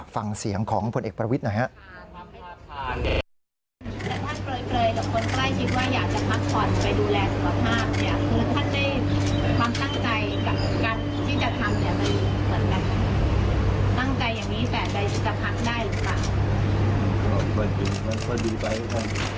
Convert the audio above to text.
ฟังเสียงของผลเอกประวิทย์หน่อยครับ